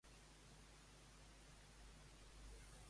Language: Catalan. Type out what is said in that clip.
A quants Goya ha estat nominada?